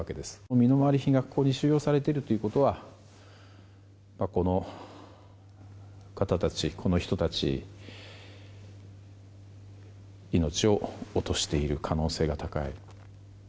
身の回り品が、ここに収容されているということはこの方たち、この人たち命を落としている可能性が高い。